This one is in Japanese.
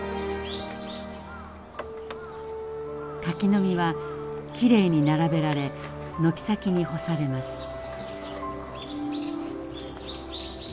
柿の実はきれいに並べられ軒先に干されます。